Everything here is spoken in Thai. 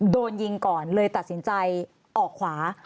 โดนยิงก่อนเลยตัดสินใจออกขวา